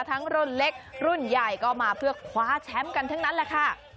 รุ่นเล็กรุ่นใหญ่ก็มาเพื่อคว้าแชมป์กันทั้งนั้นแหละค่ะ